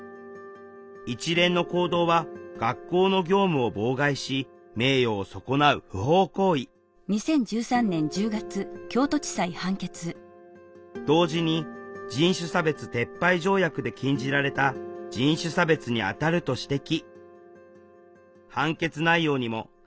一連の行動は学校の業務を妨害し名誉を損なう不法行為同時に人種差別撤廃条約で禁じられた『人種差別』にあたると指摘。